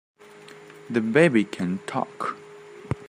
The baby can TALK!